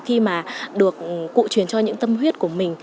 khi mà được cụ truyền cho những tâm huyết của mình